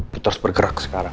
gue terus bergerak sekarang